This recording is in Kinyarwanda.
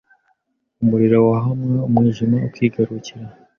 umuriro wahwama umwijima ukigarukira